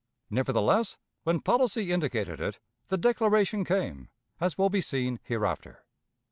Nevertheless, when policy indicated it, the declaration came, as will be seen hereafter.